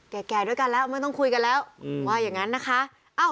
แก่ด้วยกันแล้วไม่ต้องคุยกันแล้วว่าอย่างนั้นนะคะ